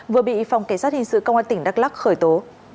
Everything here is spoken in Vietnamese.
vừa bị phòng cảnh sát hình sự công an tỉnh đắk lắc khởi tố